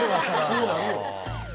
そうなるよ。